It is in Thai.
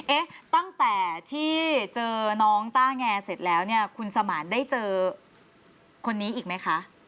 เอ๊ะตั้งแต่ที่เจอน้องต้าแงเสร็จแล้วเนี่ยคุณสมานได้เจอคนนี้อีกไหมคะ